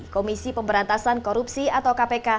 komisi pemberantasan korupsi atau kpk